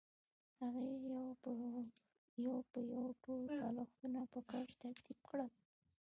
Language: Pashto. هغې یو په یو ټول بالښتونه په کوچ ترتیب کړل